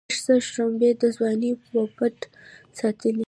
لږڅه شورمي د ځواني وًپټ ساتلی